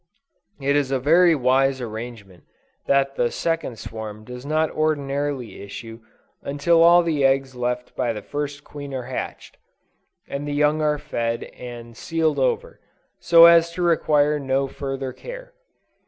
It is a very wise arrangement that the second swarm does not ordinarily issue until all the eggs left by the first queen are hatched, and the young fed and sealed over, so as to require no further care.